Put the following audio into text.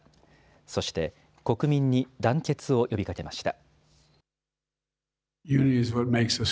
そして、国民に団結を呼びかけました。